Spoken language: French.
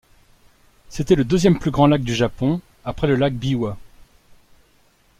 C'était le deuxième plus grand lac du Japon après le Lac Biwa.